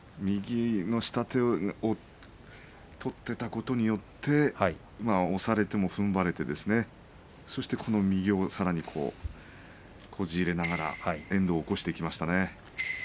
右の下手を取っていたことによって押されてもふんばれてそして右をさらにこじ入れながら遠藤を起こしていきましたね。